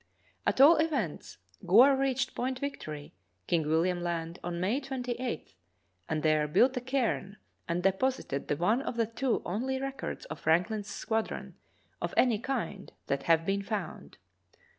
At all events, Gore reached Point Victory, King Will iam Land, on May 28, and there built a cairn and de posited the one of the two only records of Franklin's squadron of any kind that have been found.